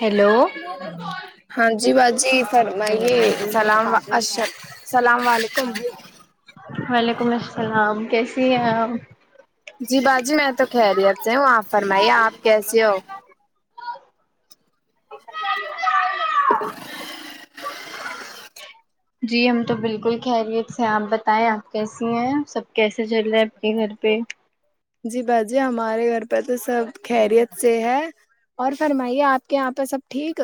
hello ہاں جی باجی فرمائیے سلام اسلام علیکم وعلیکم السلام کیسی ہیں آپ جی باجی میں تو خیریت سے ہوں آپ فرمائیے آپ کیسے ہو جی ہم تو بالکل خیریت سے ہیں آپ بتائیں آپ کیسی ہیں سب کیسے چل رہا ہے آپ کے گھر پہ جی باجی ہمارے گھر پہ تو سب خیریت سے ہے اور فرمائیے آپ کے یہاں پہ سب ٹھیک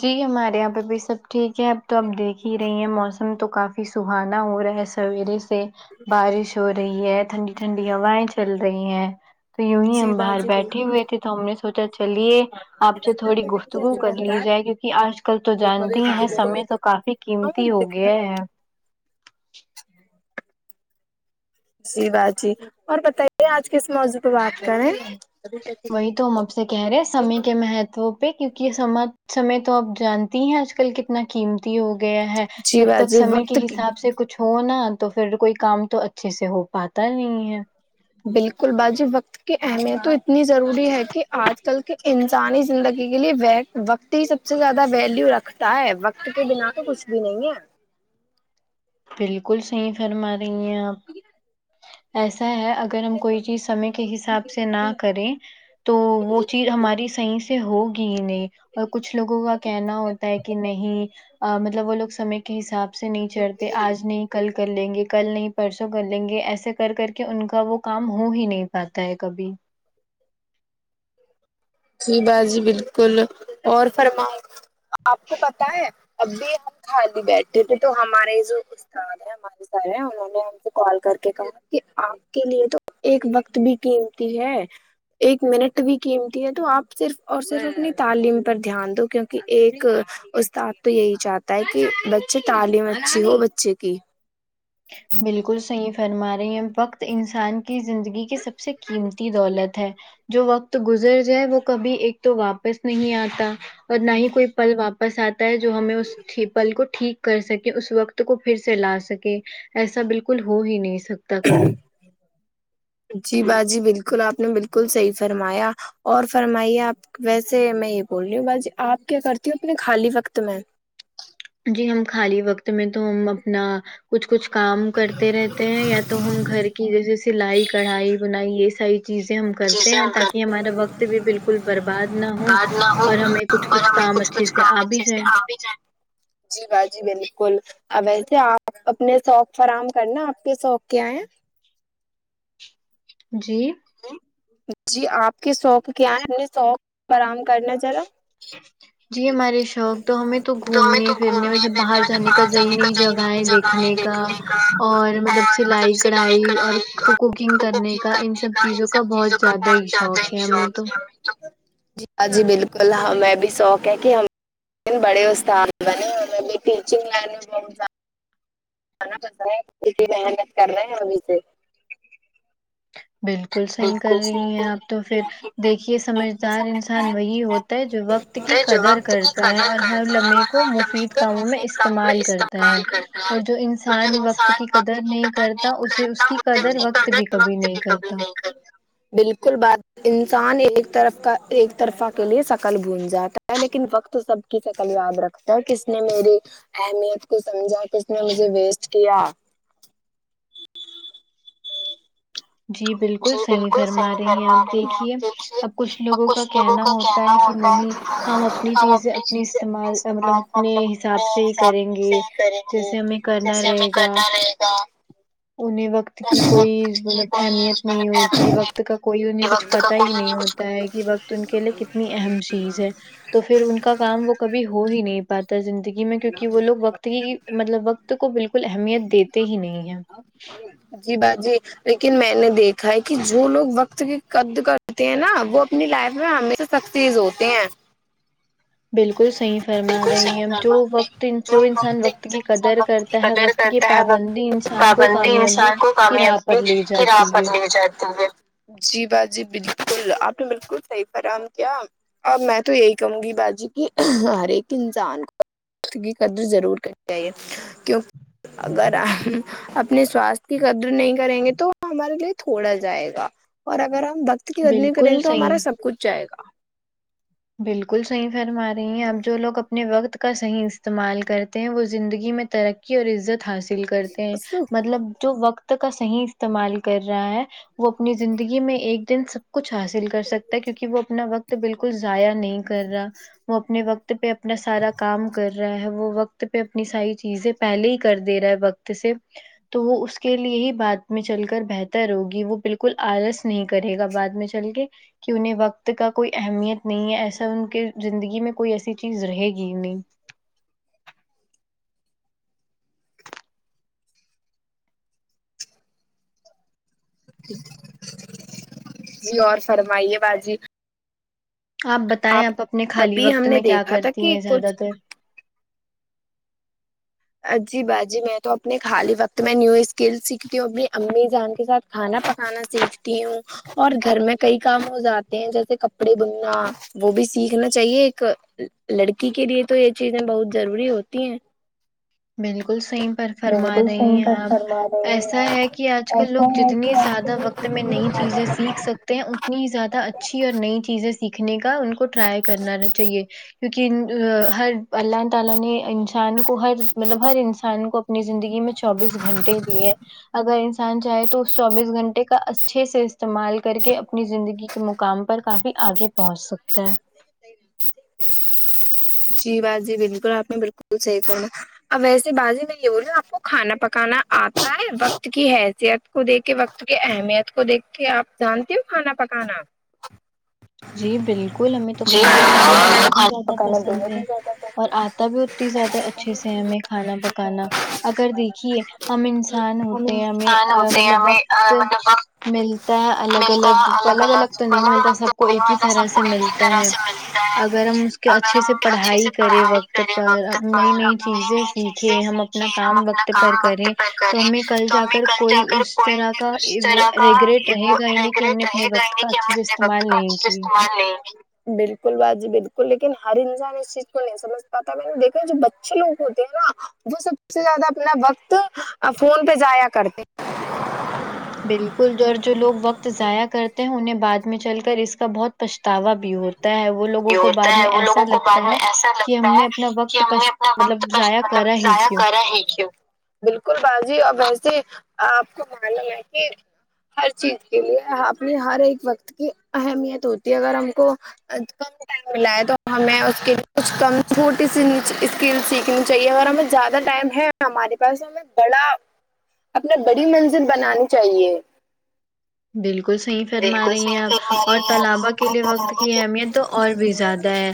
جی ہمارے یہاں پہ بھی سب ٹھیک ہے اب تو اب دیکھ ہی رہی ہیں موسم تو کا فی سہانا ہو رہا ہے سویرے سے بارش ہو رہی ہے ٹھنڈی ٹھنڈی ہوائیں چل رہی ہیں تو یون ہی جی ہم باہر باجی بیٹھے بالکل ہوئے تھے تو ہم نے سوچا چلیے آپ سے تھوڑی گفتگو کر لی جائے کیونکہ آج کل تو جانتی ہی ہیں سے تو کافی قیمتی ہو گیا ہے سی باجی اور بتائیے آج کس موضوع پہ بات کرے وہی تو ہم اب سے کہہ رہے سمے کے مہتو پہ کیونکہ یہ سما سمے تو آپ جانتی ہی ہیں آج کل کتنا قیمتی ہو گیا ہے جی جب تک باجی سمے کے وقت حساب سے کچھ ہو نا تو پھر کوئی کام تو اچھے سے ہو پاتا ہی نہیں ہے بالکل باجی وقت کی اہمیت تو اتنی ضروری ہے کہ آج کل کے ان سانی زندگی کے لیے وقت ہی سب سے زیادہ ویلیو رکھتا ہے وقت کے بنا تو کچھ بھی نہیں ہے بالکل صحیح فرما رہی ہیں آپ ایسا ہے اگر ہم کوئی چیز سمے کے حساب سے نہ کریں تو وہ چیز ہماری صحیح سے ہو کی نہیں اور کچھ لوگوں کا کہنا ہوتا ہے کہ نہیں مطلب وہ لوگ سے حساب سے نہیں چڑھتے آج نہیں کل کر لیں گے کل نہیں پرسوں کر لیں گے ایسے کر کر کے ان کا وہ کام ہو ہی نہیں پاتا ہے کبھی جی با جی بالکل اور فرماؤ آپ کو پتہ ہے ابھی ہم خالی بیٹھے تھے تو ہمارے یہ جو استاد ہے انہوں نے ہم سے کال کر کے کہا کہ آپ کے لیے تو ایک وقت بھی قیمتی ہے ایک منٹ بھی قمتی ہے تو آپ صرف اور صرف اپنی تعلیم پر دھیان دو کیونکہ ایک استاد تو یہی چاہتا ہے کہ بچے تعلیم اچھی ہو بچے کی بالکل صحیح فرما رہی ہیں وقت انسان کی زندگی کی سب سے قیمتی دولت ہے جو وقت گزر جائے وہ کبھی ایک تو واپس نہیں آتا اور نہ ہی کوئی پل واپس آتا ہے جو ہمیں اس پل کو ٹھیک کر سکے اس وقت کو پھر سے لا سکے ایسا بالکل ہو ہی نہیں سکتا کبھی جی باجی بالکل آپ نے بالکل صحیح فرمایا اور فرمائیے آپ ویسے میں یہ بول رہی ہوں بس آپ کیا کرتی ہوں اپنے خالی وقت میں جی ہم خالی وقت میں تو ہم اپنا کچھ کچھ کام کرتے رہتے ہیں یا تو ہم گھر کی جیسے سلائی کڑھائی بونا ئی یہ ساری چیزیں ہم کرتے چیزیں ہیں ہم کریں تاکہ ہمارا وقت بھی بالکل برباد نہ ہو برباد نہ ہو اور ہمیں کچھ اور کچھ ہمیں کام اچھے کچھ سے کام آ بھی اچھے سے جائے آ بھی جائیں جی باجی بالکل ا و اییسے آپ اپنے شوق فراہم کرنا آپ کے شوق کیا ہیں جی جی جی آپ کے شوق کیا ہے آپ کے شوق آرم کرنا ذرا جی ہمارے شوق تو ہمیں تو گھومنے ویسے پھرنے مطلب باہر نئی جانے کا نئی جگہیں جگہ ہے دیکھنے کا اور مطلب سلائی کڑھائی اور کوکنگ کرنے کوکنگ کا ان کرنے سب ان چیزوں کا سب چیزوں بہت زیادہ ہی بہت زیادہ شوق ہے ہی ہمیں تو ہے ہمیں جی ہاں جی بالکل ہاں میں بھی شوق ہے کہ ہم بڑے استاد بنے ٹیچنگ لائن بہت زیادہ کر نا پڑھتا ہے کیونکی محنت کرہے ابھی سے بالکل صحیح کر بالکل رہی ہیں صحیح آپ تو پھر یہی دیکھیے سمجھدار انسان سمجھدار وہی ہوتا جو وقت انسان کی ہے جو قدر وقت کی کرتا ہے قدر اور ہر کرتا ہے لمحے اور کو ہر لمحے مفید کو کاموں میں مفید کام میں استعمال کرتا ہے استعمال کرتا ہے اور جو اور جو انسان وقت کی قدر نہیں کرتا اسے اس کرتا کی اسے اس قدر کی وقت بھی کرتا قدر کبھی وقت نہیں بھی کبھی کرتا نہیں بالکل بات انسان ایک طرف ایک طرفہ کے لیے شکل بھول جاتا ہے لیکن وقت سب کی شکل یاد رکھتا کس نے میری اہمیت کو سمجھا کس نے مجھے ویسٹ کیا جی بالکل صحیح فرما رہی ہیں آپ دیکھیے اب کچھ لوگوں کا کہنا ہوتا ہے کہ نہیں ہم اپنی کہ چیزیں اپنی اپنے استعمال مطلب اپنے اپنے حساب سے ہی کریں سے گے ہی کریں گے جیسے ہمیں کرنا جیسے ہمیں رہے گا کرنا رہے گا انہیں وقت اس کی کوئی وقت کی مطلب اہمیت نہیں ہوتی کوئی وقت کا کوئی انہیں کچھ وقت کا پتا کوئی ہی نہیں کچھ ہوتا ہے کہ وقت ان کے لیے کتنا اتنی اہم چیز ہے تو پھر ان کا کام وہ کبھی ہو ہی نہیں پاتا زندگی میں کیونکہ وہ لوگ وقت ہی مطلب وقت کو بالکل اہمیت دیتے ہی نہیں ہے جی باجی لیکن میں نے دیکھا ہے کہ جو لوگ وقت کے قد کرتے ہیں نا وہ اپنی لائف میں ہمیشہ سب چیز ہوتے ہیں بالکل صحیح فرما بالکل رہی صحیح ہیں اب جو فرما آپ نے وقت جو انسان وقت کی انسان قدر وقت کی کرتا ہے قدر وقت کی کرتا ہے پابندی وقت انسان کو پابندی کامیابی انسان کی راہ پر لے جاتی ہے نہیں چاہتے ہوئے جی با جی بالکل آپ نے بالکل صحیح فرم کیا اب میں تو یہی کہوں گی باجی کہ ہر ایک انسان کو کی قدر ضرور کرنی چاہے کیو اگر اھم اگ اپنے سوستھ کی قدر نہیں کریں گے تو ہمارے لیے تھوڑا جائے گا اور اگر ہم وق ت کی قدر نہیں کریں بالکل گے تو صحیح ہمارا سب کچھ جائے گا بالکل صحیح فرما رہی ہیں اب جو لوگ اپنے وقت کا صحیح استعمال کرتے ہیں وہ زندگی میں ترق قی اور عزت حاصل کرتے ہیں مطلب جو وقت کا تو صحیح استعمال کر رہا ہے وہ اپنی زندگی میں ایک دن سب کچھ حاصل کر سکتا ہے کیونکہ وہ اپنا وقت بالکل ضائع نہیں کر رہا وہ اپنے وقت ت پہ اپنا سارا کام کر رہا ہے وہ وقت پہ اپنی ساری چیزیں پہلے ہی کر دے رہا ہے وقت سے تو وہ اس کے لیے ہی بات میں چل کر بہتر ہوگی وہ بالکل آلس نہیں کرے گا بعد میں چل گئے کہ انہیں وقت کا کوئی اہمیت نہیں ہے ایسا ان کے زندگی میں کوئی ایسی چیز رہے گی ہی نہیں جی اور فرمائیے باجی آپ بتائیں آپ اپنے خالی ابھی ہم وقت نے میں کیا دیکھا تھا کرتی کہ ہیں زیادہ کچھ تر جی باجی میں تو اپنے خالی وقت میں نیو اسکل سیکھتی ہوں اپنی امی جان کے ساتھ کھانا پکانا سیکھتی ہوں اور گھر میں کئی کام ہو جاتے ہیں جیسے کپڑے دھلنا وہ بھی سیکھنا چاہیے ایک لڑکی کے لیے تو یہ چیزیں بہت ضروری ہوتی ہیں بالکل صحیح پر فرما بالکل رہی ہیں صحیح فرما آپ رہی ہیں ایسا ہے آپ کہ آج کل لوگ ایسا ہے جتنی کہ زیادہ وقت آج وقت میں نئی کل چیزیں سیکھ سک تے ہیں اتنی زیادہ اچھی اور نئی چیزیں سیکھنے کا ان کو ٹرائی کرنا چاہیے کیونکہ ا ہر اللہ تعالی نے انسان کو ہر مطلب ہر انسان انسان کو اپنی زندگی میں چوبیس گھنٹے دیے اگر انسان چاہے تو اس چوبیس گھنٹے کا اچھے سے استعمال کر کے اپنی زندگی کے مقام پر کافی آگے پہنچ سکتا ہے جی باجی بالکل آپ نے بالکل صحیح فرمایا اب ویسے باجی میں یہ بولو آپ کو کھانا پکانا آتا ہے وقت کی حیثیت کو دیکھ کے وقت کی اہمیت کو دیکھ کے آپ جانتی ہو کھانا پکانا جی بالکل ہمیں تو جی کھانا پکانا بالکل بیحد ہی کھانا زیادہ پکانا پسند بےحد ہے ہی زیادہ اور آتا بھی اتنی زیادہ اچھے سے ہمیں کھانا پکانا اگر دیکھیے ہم انسان ہوتے ہیں ہمیں پسند آ ہوتے ہیں مطلب ہمیں وقت مطلب وقت ملتا الگ ملتا ہے الگ الگ الگ تو نہیں ملتا الگ تو سب کو نہیں ایک ہی ملتا طرح سب کو سے ایک ہی ملتا طرح ہے سے ملتا ہے اگر ہم کہ اگر اچھے سے ہم اچھے سے پڑھائی کرے پڑھائی وقت کریں پر وقت نئی پر ہم نئی چیزیں نئی چیزیں سیکھیں ہم اپنا سیکھیں ہم کام اپنا وقت پر کام وقت کریں پر تو کریں ہمیں کل تو جا ہمیں کر کل جا کوئی کر اس کوئی طرح بھی کا اس یہ وہ طرح کا ریگریٹ رہے گا ہی نہیں کہ ہم نے ریگریٹ اپنے رہے وقت کا کہ اچھے ہم سے اپنے وقت استعمال کا نہیں اچھے سے کی ہاں استعمال نہیں بالکل باجی بالکل ایک لیکن ہر انسان اس چیز کو نہیں سمجھ پاتا میں نے دیکھا جو بچے لوگ ہوتے ہیں نا وہ سب سب سے زیادہ اپنا وقت ا فون پہ ضائع کرتے ہیں بالکل اور جو لوگ وقت ضائع کرتے ہیں انہیں بعد میں چل کر اس کا بہت پچھتاوا بھی ہوتا ہے وہ لوگوں یہ کو ہوتا بعد ہے میں وہ ایسا لوگوں کو بعد لگتا ہے میں ایسا کہ لگتا ہم ہے نے اپنا کہ وقت ہم پچ میں وقت مطلب پر ضائع مطلب کرا ہی ضایا کیوں کرا ہی کیو بالکل باجی اور ویسے ہے کہ آپ کو معلوم ہے کہ ہر ایک چیز کے لیے اپنی ہر ایک وقت کی اہمیت ہوتی ہے اگر ہم کو ادبا ٹائم ملا ہے تو ہمیں اس کے لیے کچھ کم چھوٹی سی اسکل سیکھنی چاہیے اگر ہمیں زیادہ ٹائم ہے ہمارے پاس ہمیں بڑا اپنا بڑی منزل بنانی چاہیے بالکل صحیح فرما بالکل رہی ہیں صحیح فرما آپ اور رہی ہیں طلابا آپ کے اور لیے وقت بڑھاوا کی اہمیت تو اور بھی زیادہ ہے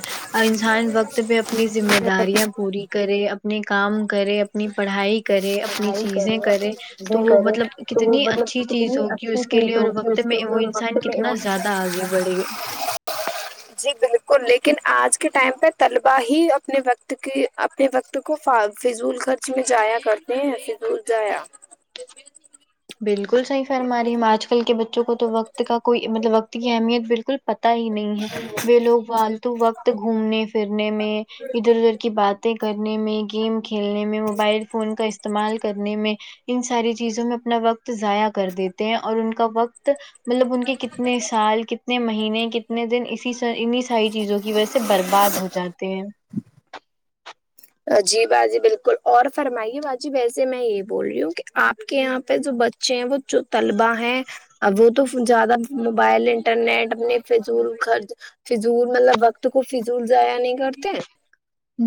انسان وقت پہ اپنی ذمہ داریاں پوری کرے اپنے کام کرے اپنی پڑھائی کرے اپنی پڑھائی چیزیں کرے اپنی تو چیزیں وہ مطلب کرے کتنی اچھی چیز ہوگی اس کے لیے اور وقت میں وہ انسان کتنا زیادہ آگے بڑھے گ [inaudible] جی بالکل لیکن آج کے ٹائم پہ طلبا ہی اپنے وقت کی اپنے وقت کو ف فضول خرچ میں جایا کرتے ہیں فضول جایا بالکل صحیح فرما رہی ہم آج کل کے بچوں کو تو وقت کا کوئی مطلب وقت کی اہمیت بالکل پتہ ہی نہیں ہے وہ لوگ فالتو وقت گھومنے پھرنے میں ادھر ادھر کی باتیں کرنے میں گیم کھیلنے میں موبائل فون کا استعمال کرنے میں ان ساری چیزوں میں اپنا وقت ضائع کر دیتے ہیں اور ان کا وقت مطلب ان کے کتنے سال کتنے مہینے کتنے دن سر انھیں ساری چیزوں کی وجہ سے برباد ہو جاتے ہیں جی باجی بالکل اور فرمائیے باجی ویسے میں یہ بول رہی ہوں کہ آپ کے یہاں پہ جو بچے بچے ہیں جو طلبہ ہیں اب وہ تو زیادہ موبائل انٹرنیٹ اپنے فضول خرچ فضول مطلب وقت کو فضول ضائع نہیں کرتے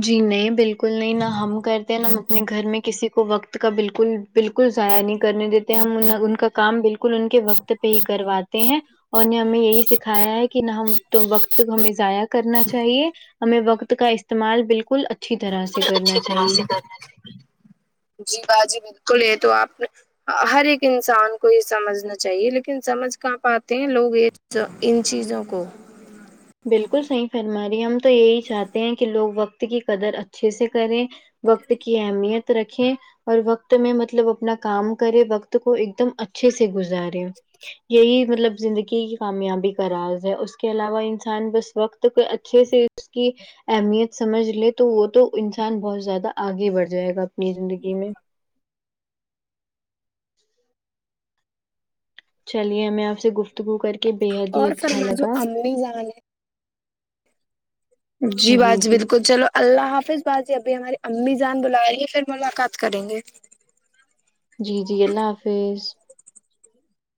جی نہیں بالکل نہیں نہ ہم کرتے ہیں نہ ہم اپنے گھر میں کسی کو وقت کا بالکل بالکل ضائع نہیں کرنے دیتے ہم ان نا کا کام بالکل ان کے وقت پہ ہی کرواتے ہیں اور ہم نے یہی سکھایا ہے کہ نہ ہم تم وقت ہمیں ضائع کرنا چاہیے ہمیں وقت کا استعمال بالکل اچھی طرح سے کرنا اچھی طرح چاہیے سے کرنا چاہیے جی باجی بالکل یہ تو آپ نے ہر ایک انسان کو یہ سمجھنا چاہیے لیکن سمجھ کہاں پاتے ہیں لوگ یہ جب ان چیزوں کو بالکل صحیح فرماری ہم تو یہی چاہتے ہیں کہ لوگ وقت کی قدر اچھے سے کریں وقت کی اہمیت رکھیں اور وقت میں مطلب اپنا کام کرے وقت کو ایک دم اچھے سے گزارے یہی مطلب زندگی کی کامیابی کا راز ہے اس کے علاوہ ان س انسان بس وقت پر اچھے سے اس کی اہمیت سمجھ لے تو وہ تو انسان بہت زیادہ آگے بڑھ جائے گا اپنی زندگی میں چلیے ہمیں آپ سے گفتگو کر کے بےحد ہی اچھا لگا ہم نہیں جانا جی باجی بالکل چلو اللہ حافظ باجی ابھی ہماری امی جان بلا رہی ہے پھر ملاقات کریں گے جی جی اللہ حافظ